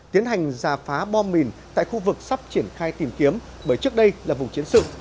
tiến hành giả phá bom mìn tại khu vực sắp triển khai tìm kiếm bởi trước đây là vùng chiến sự